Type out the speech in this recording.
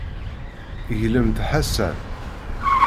Glem-d Ḥasan.